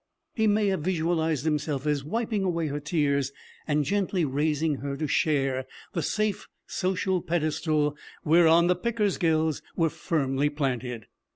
He may have visualized himself as wiping away her tears and gently raising her to share the safe social pedestal whereon the Pickersgills were firmly planted.